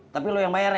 tapi lu yang bayar ya